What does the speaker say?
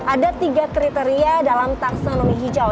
ada tiga kriteria dalam taksonomi hijau